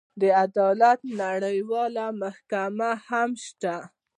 د عدالت نړیواله محکمه هم شته.